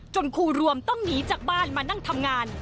ครูรวมต้องหนีจากบ้านมานั่งทำงาน